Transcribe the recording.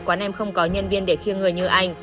quán em không có nhân viên để khiêng người như anh